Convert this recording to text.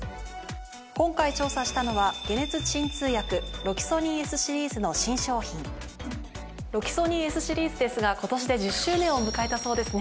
今回調査したのは解熱鎮痛薬ロキソニンＳシリーズの新商品ロキソニンＳシリーズですが今年で１０周年を迎えたそうですね。